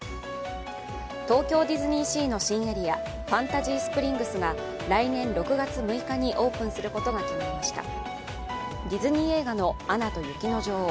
東京ディズニーシーの新エリア、ファンタジースプリングスが来年６月６日にオープンすることが決まりましたディズニー映画の「アナと雪の女王」